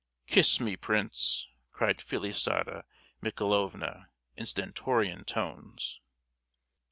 "Kiss me, prince!" cried Felisata Michaelovna, in stentorian tones.